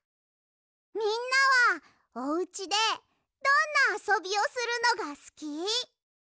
みんなはおうちでどんなあそびをするのがすき？